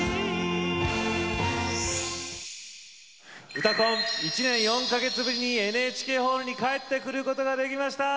「うたコン」１年４か月ぶりにＮＨＫホールに帰ってくることができました。